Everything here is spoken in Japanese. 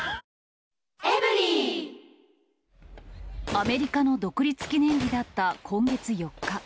アメリカの独立記念日だった今月４日。